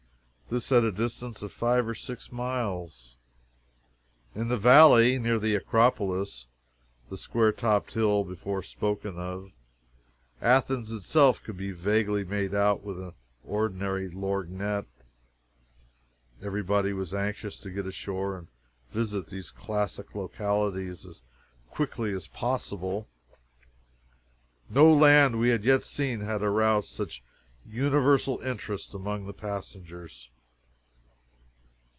This at a distance of five or six miles. In the valley, near the Acropolis, (the square topped hill before spoken of,) Athens itself could be vaguely made out with an ordinary lorgnette. Every body was anxious to get ashore and visit these classic localities as quickly as possible. No land we had yet seen had aroused such universal interest among the passengers.